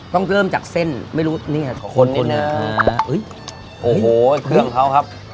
ต้องเกิดจากเส้นไม่รู้เนี้ยขนขนเนอะเอ้ยโอ้โฮต่ำเพลิงเค้าครับ